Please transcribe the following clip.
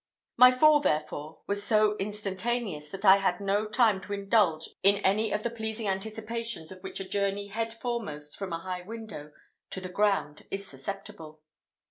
My fall, therefore, was so instantaneous, that I had no time to indulge in any of the pleasing anticipations of which a journey head foremost from a high window to the ground is susceptible.